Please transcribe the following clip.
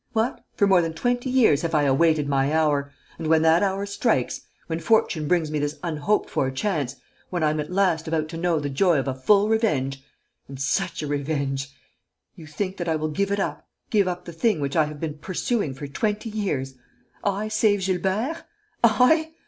What! For more than twenty years have I awaited my hour; and, when that hour strikes, when fortune brings me this unhoped for chance, when I am at last about to know the joy of a full revenge and such a revenge! you think that I will give it up, give up the thing which I have been pursuing for twenty years? I save Gilbert? I?